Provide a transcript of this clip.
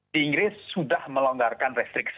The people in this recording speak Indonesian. di inggris sudah melonggarkan restriksi